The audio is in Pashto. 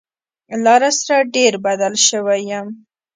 لاره سره ډېر بلد شوی يم.